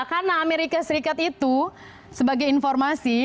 karena amerika serikat itu sebagai informasi